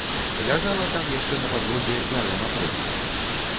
Ляжала там яшчэ на падлозе бярэма дроў.